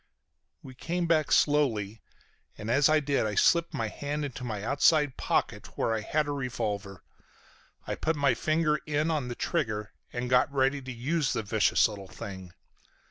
" We came back slowly, and as I did I slipped my hand into my outside pocket where I had a revolver. I put my finger in on the trigger and got ready to use the vicious little thing.